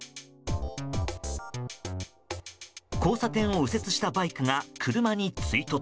交差点を右折したバイクが車に追突。